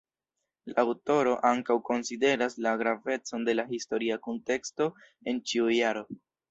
La aŭtoro ankaŭ konsideras la gravecon de la historia kunteksto en ĉiu jaro.